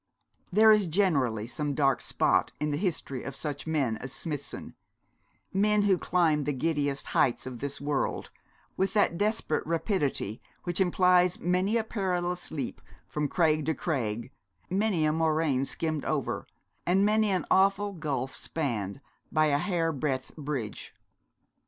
There is generally some dark spot in the history of such men as Smithson men who climb the giddiest heights of this world with that desperate rapidity which implies many a perilous leap from crag to crag, many a moraine skimmed over, and many an awful gulf spanned by a hair breadth bridge.